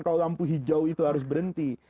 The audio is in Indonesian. kalau lampu hijau itu harus berhenti